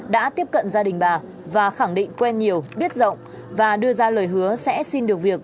đã tiếp cận gia đình bà và khẳng định quen nhiều biết rộng và đưa ra lời hứa sẽ xin được việc